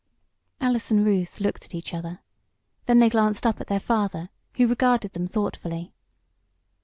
Alice and Ruth looked at each other. Then they glanced up at their father, who regarded them thoughtfully.